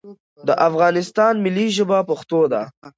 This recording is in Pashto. دا افغانستان ملی ژبه پښتو ده